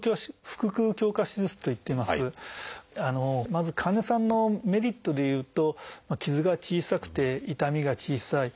まず患者さんのメリットでいうと傷が小さくて痛みが小さい。